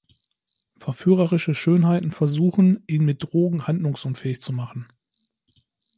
Verführerische Schönheiten versuchen, ihn mit Drogen handlungsunfähig zu machen.